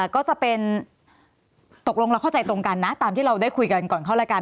ก็จะเป็นตกลงเราเข้าใจตรงกันนะตามที่เราได้คุยกันก่อนเข้ารายการ